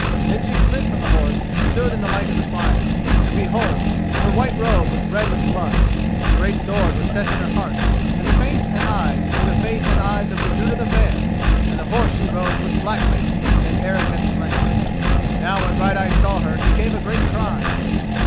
Then she slid from the horse and stood in the light of the fire, and behold! her white robe was red with blood, a great sword was set in her heart, and the face and eyes were the face and eyes of Gudruda the Fair, and the horse she rode was Blackmane, that Eric had slain. Now when Brighteyes saw her he gave a great cry.